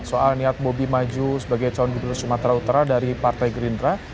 soal niat bobi maju sebagai calon gubernur sumatera utara dari partai gerindra